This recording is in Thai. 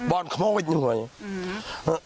บอนขมวิทย์หนึ่งไหว